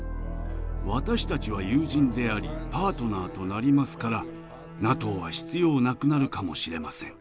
「私たちは友人でありパートナーとなりますからＮＡＴＯは必要なくなるかもしれません。